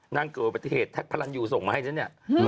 นางเกิดอุบัติเหตุแท็กพระรันยูส่งมาให้ฉันเนี่ย